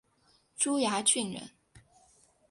珠崖郡人。